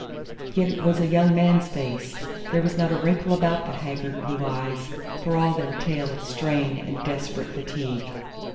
Yet it was a young man's face. There was not a wrinkle about the haggard blue eyes, for all their tale of strain and desperate fatigue.